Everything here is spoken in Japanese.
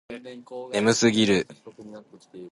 眠すぎる